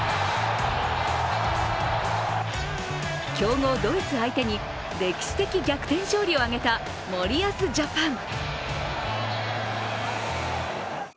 強豪ドイツ相手に歴史的逆転勝利を挙げた森保ジャパン。